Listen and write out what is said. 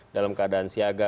dalam keadaan siaga